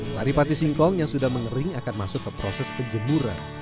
sari pati singkong yang sudah mengering akan masuk ke proses penjemuran